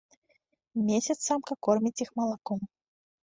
Месяц самка корміць іх малаком.